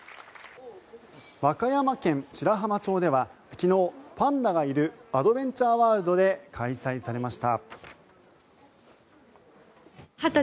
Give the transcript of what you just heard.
和歌山県白浜町では昨日パンダがいるアドベンチャーワールドで開催されました。